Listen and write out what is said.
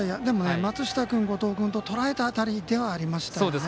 松下君、後藤君ととらえた当たりではありました。